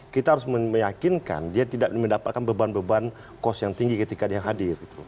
kita harus meyakinkan dia tidak mendapatkan beban beban cost yang tinggi ketika dia hadir